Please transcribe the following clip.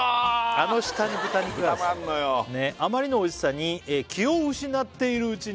あの下に豚肉があるんです「あまりのおいしさに気を失っているうちに」